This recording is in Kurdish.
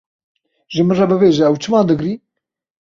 Ji min re bibêje ew çima digirî?